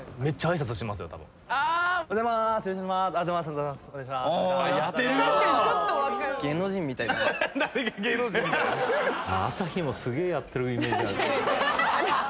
朝日もすげえやってるイメージある。